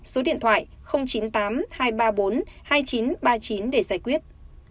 số điện thoại chín mươi tám hai trăm ba mươi bốn hai nghìn chín trăm ba mươi chín để giải quyết